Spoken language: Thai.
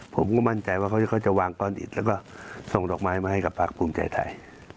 ผมก็มั่นใจว่าเขาจะวางก้อนอิดแล้วก็ส่งดอกไม้มาให้กับภาคภูมิใจไทย